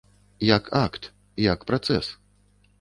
Як акт, як працэс.